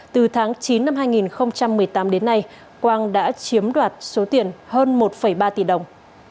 từ tháng chín năm hai nghìn một mươi tám đến nay quang đã chiếm đoạt số tiền hơn một ba tỷ đồng